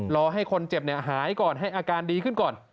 รอให้คนเจ็บหายก่อนให้อาการดีขึ้นก่อน